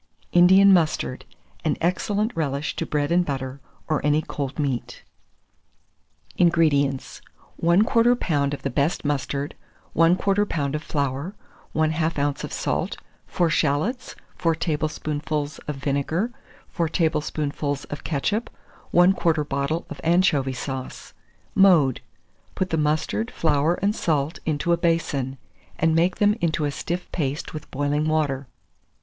INDIAN MUSTARD, an excellent Relish to Bread and Butter, or any cold Meat. 450. INGREDIENTS. 1/4 lb. of the best mustard, 1/4 lb. of flour, 1/2 oz. of salt, 4 shalots, 4 tablespoonfuls of vinegar, 4 tablespoonfuls of ketchup, 1/4 bottle of anchovy sauce. Mode. Put the mustard, flour, and salt into a basin, and make them into a stiff paste with boiling water.